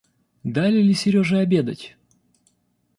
Дали ли Сереже обедать?